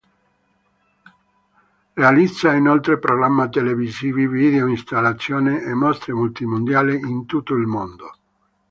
Realizza inoltre programma televisivi, video-installazioni e mostre multimediali in tutto il mondo.